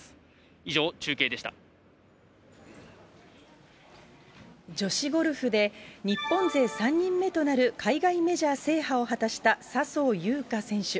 以上、女子ゴルフで、日本勢３人目となる海外メジャー制覇を果たした、笹生優花選手。